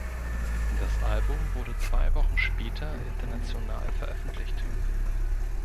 Das Album wurde zwei Wochen später international veröffentlicht.